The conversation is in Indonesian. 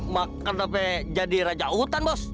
makan apa jadi raja hutan bos